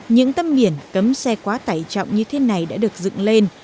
những tâm biển cấm xe quá tải trọng như thế này đã được dựng lên